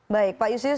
baik pak yustinus